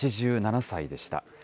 ８７歳でした。